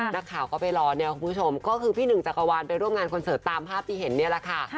นักข่าวก็ไปรอเนี่ยคุณผู้ชมก็คือพี่หนึ่งจักรวาลไปร่วมงานคอนเสิร์ตตามภาพที่เห็นนี่แหละค่ะ